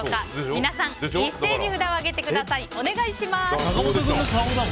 皆さん一斉に札を上げてください。